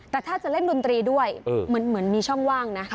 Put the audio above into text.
แต่ถ้าจะเล่นดนตรีด้วยเหมือนมีช่องว่างนะ